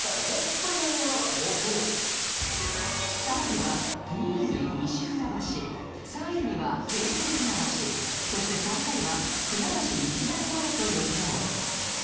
タモリは２位に西船橋３位には京成船橋そして最下位は船橋日大前と予想